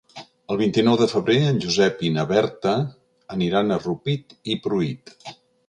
El vint-i-nou de febrer en Josep i na Berta aniran a Rupit i Pruit.